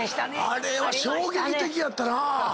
あれは衝撃的やったなぁ。